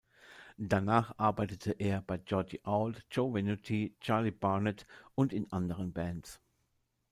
Danach arbeitete er bei Georgie Auld, Joe Venuti, Charlie Barnet und in anderen Bands.